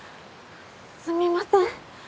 すみません。